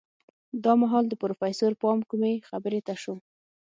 دا مهال د پروفيسر پام کومې خبرې ته شو.